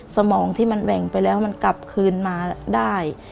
สมองที่มันแหว่งไปแล้วมันกลับคืนมาได้